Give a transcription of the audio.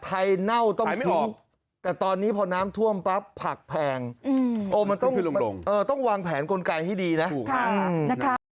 ไทยเน่าต้องทิ้งแต่ตอนนี้พอน้ำท่วมปั๊บผักแพงต้องวางแผนกลไกที่ดีนะถูกค่ะ